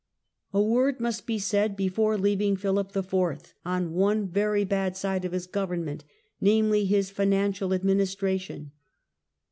A word must be said before leaving Philip IV. on one Fiuauciai very bad side of his government, namely his financial tion administration.